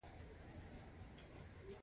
د دوی د مینې کیسه د سهار په څېر تلله.